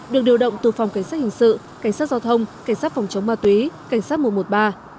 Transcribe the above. được điều động từ phòng cảnh sát hình sự cảnh sát giao thông cảnh sát phòng chống ma túy cảnh sát mùa một ba